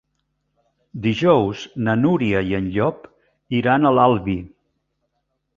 Dijous na Núria i en Llop iran a l'Albi.